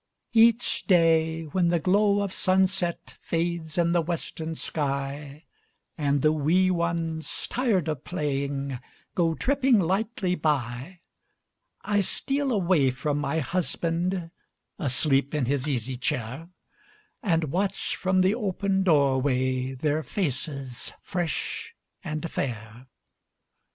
Each day, when the glow of sunset Fades in the western sky, And the wee ones, tired of playing, Go tripping lightly by, I steal away from my husband, Asleep in his easy chair, And watch from the open door way Their faces fresh and fair.